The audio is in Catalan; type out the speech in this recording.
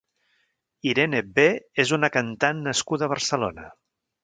IreneB és una cantant nascuda a Barcelona.